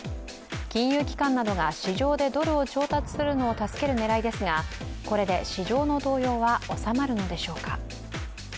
金融機関などが市場でドルを調達するのを助ける狙いですがこれで市場の動揺は収まるのでしょうか。